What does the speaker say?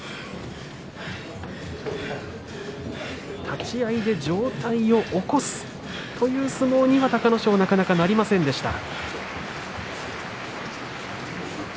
立ち合いで上体を起こすという相撲には隆の勝なかなかなりませんでした。